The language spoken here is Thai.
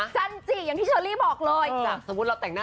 จันจิอย่างที่เชอร์รี่บอกเลย